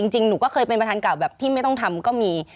จริงหนูก็เคยเป็นประธานเก่าแบบที่ไม่ต้องทำก็มี